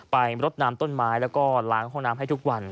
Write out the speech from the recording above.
ไปรถนำต้นไม้และล้างห้องน้ำให้ทุกวัน